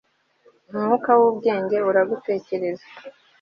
Umwuka wubwenge uragutekereza